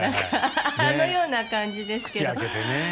あのような感じですね。